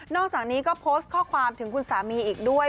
อกจากนี้ก็โพสต์ข้อความถึงคุณสามีอีกด้วย